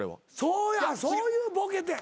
そうやそういうボケて。